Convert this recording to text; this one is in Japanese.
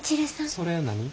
それ何？